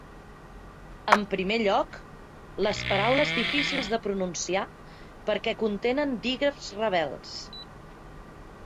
En primer lloc, les paraules difícils de pronunciar perquè contenen dígrafs rebels.